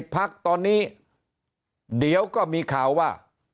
พักตอนนี้เดี๋ยวก็มีข่าวว่า